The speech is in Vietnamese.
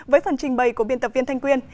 với phần trình bày của biên tập viên thanh quyên